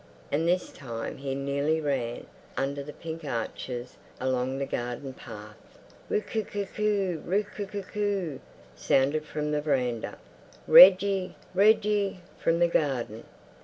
And this time he nearly ran, under the pink arches, along the garden path. "Roo coo coo coo! Roo coo coo coo!" sounded from the veranda. "Reggie, Reggie," from the garden.